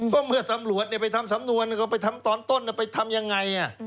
ก็เมื่อตำรวจไปทำสำนวนก็ไปทำตอนต้นไปทำยังไง